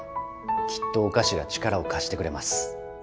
きっとお菓子が力を貸してくれます。